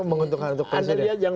menguntungkan untuk presiden yang